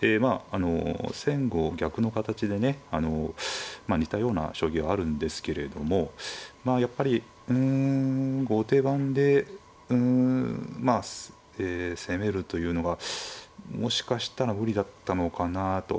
あの先後逆の形でね似たような将棋はあるんですけれどもまあやっぱりうん後手番でうんまあえ攻めるというのがもしかしたら無理だったのかなと。